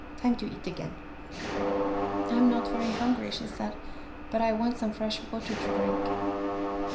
Time to eat again." " I'm not very hungry," she said, " but I want some fresh water to drink."